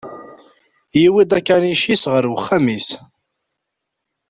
Yewwi-d akanic-is ar wexxam-is.